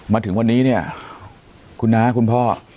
มาถึงวันนี้กรุ่งหน้าคุณพ่อ